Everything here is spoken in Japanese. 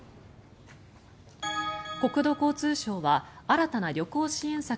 国土交通省は新たな旅行支援策